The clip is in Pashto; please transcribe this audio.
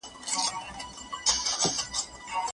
د خپلي مېرمني پر تندي راسته لاس اېښودل سنت دي.